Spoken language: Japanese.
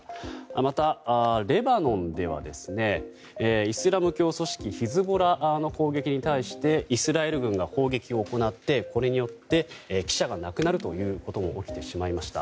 また、レバノンではイスラム教組織ヒズボラの攻撃に対してイスラエル軍が攻撃を行ってこれによって記者が亡くなるということも起きてしまいました。